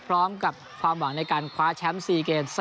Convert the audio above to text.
พร้อมกับความหวังในการคว้าแชมป์๔เกม